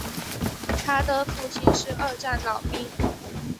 他的父亲是二战老兵。